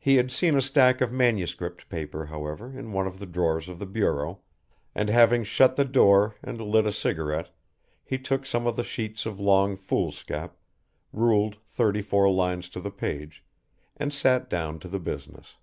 He had seen a stack of manuscript paper, however, in one of the drawers of the bureau, and having shut the door and lit a cigarette he took some of the sheets of long foolscap, ruled thirty four lines to the page, and sat down to the business.